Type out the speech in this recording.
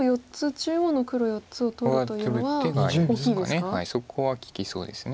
中央の黒４つを取るというのは大きいですか。